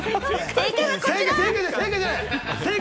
正解！